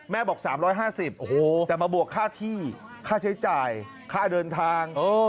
บอก๓๕๐แต่มาบวกค่าที่ค่าใช้จ่ายค่าเดินทาง